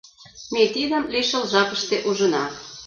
Ме тидым лишыл жапыште ужына.